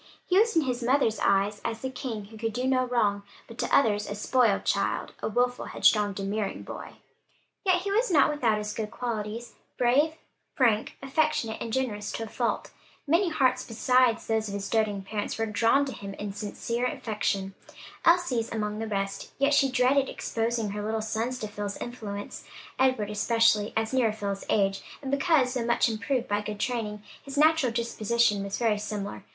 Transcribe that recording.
He was in his mother's eyes as the king, who could do no wrong, but to others a spoiled child, a wilful, headstrong, domineering boy. Yet he was not without his good qualities, brave, frank, affectionate, and generous to a fault, many hearts besides those of his doting parents were drawn to him in sincere affection; Elsie's among the rest; yet she dreaded exposing her little sons to Phil's influence; Edward especially as nearer Phil's age, and because, though much improved by good training, his natural disposition was very similar.